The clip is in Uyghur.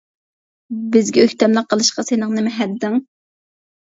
بىزگە ئۆكتەملىك قىلىشقا سېنىڭ نېمە ھەددىڭ. ؟!